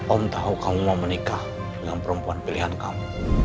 om tahu kamu mau menikah dengan perempuan pilihan kamu